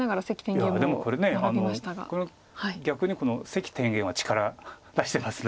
いやでもこれ逆に関天元は力出してます